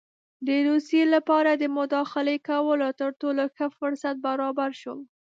د روسیې لپاره د مداخلې کولو تر ټولو ښه فرصت برابر شو.